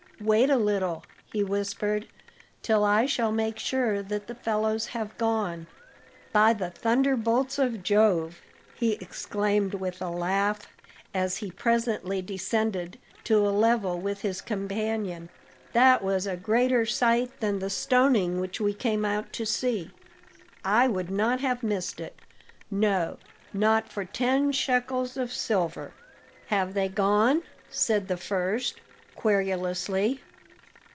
"Wait a little," he whispered, "till I shall make sure that the fellows have gone. By the thunderbolts of Jove!" he exclaimed with a laugh, as he presently descended to a level with his companion, "that was a greater sight than the stoning which we came out to see; I would not have missed it no, not for ten shekels of silver!" "Have they gone?" said the first querulously.